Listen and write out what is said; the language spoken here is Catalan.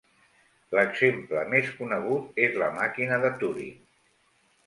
L'exemple més conegut és la màquina de Turing.